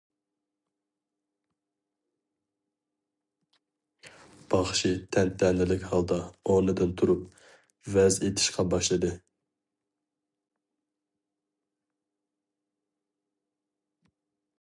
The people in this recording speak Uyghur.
باخشى تەنتەنىلىك ھالدا ئورنىدىن تۇرۇپ ۋەز ئېيتىشقا باشلىدى.